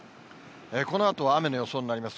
このあとは雨の予想になります。